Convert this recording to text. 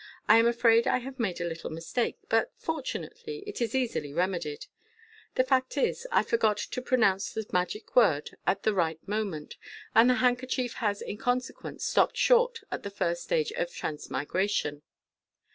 I am afraid I have made a little mistake, but fortunately it is easily remedied. The fact is, I forgot to pronounce the magic word at the right MODERN MAGIC. 251 moment, and the handkerchief has in consequence stopped short at the first stage of transmigration.